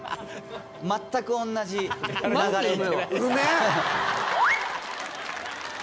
全く同じ流れで。